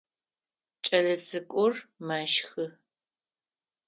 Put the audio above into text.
Кӏэлэцӏыкӏур мэщхы.